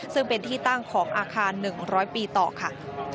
ซึ่งเป็นที่ตั้งของอาคาร๑๐๐ปีต่อค่ะ